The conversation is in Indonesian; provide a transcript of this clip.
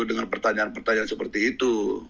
dengan pertanyaan pertanyaan seperti itu